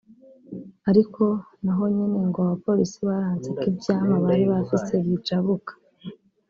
ariko na ho nyene ngo abapolisi baranse ko ivyamwa bari bafise bijabuka